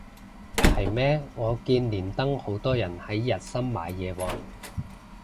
係咩我見連登好多人係日森買嘢喎